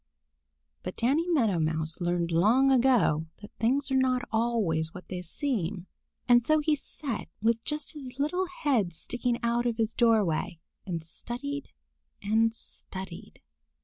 But Danny Meadow Mouse learned long ago that things are not always what they seem, and so he sat with just his little head sticking out of his doorway and studied and studied.